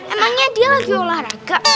emangnya dia lagi olahraga